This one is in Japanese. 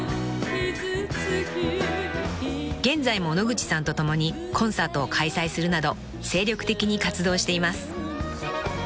［現在も野口さんと共にコンサートを開催するなど精力的に活動しています］